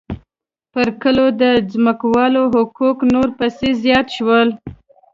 پر کلو د ځمکوالو حقوق نور پسې زیات شول